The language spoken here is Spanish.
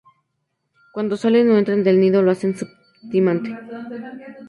Cuando salen o entran del nido lo hacen súbitamente.